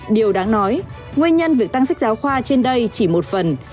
điều đáng nói nguyên nhân việc tăng sách giáo khoa trên đây chỉ một phần